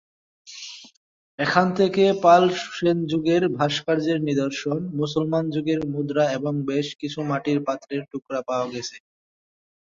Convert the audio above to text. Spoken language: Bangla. এখান থেকে পাল-সেনযুগের ভাস্কর্যের নিদর্শন, মুসলমান যুগের মুদ্রা এবং বেশ কিছু মাটির পাত্রের টুকরো পাওয়া গেছে।